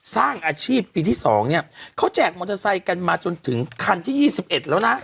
สร้างอาชีพปีที่๒เนี่ยเขาแจกมอเตอร์ไซค์กันมาจนถึงคันที่๒๑แล้วนะ